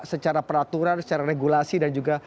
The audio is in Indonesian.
secara peraturan secara regulasi dan juga